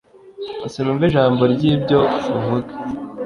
Sinumva ijambo ryibyo uvuga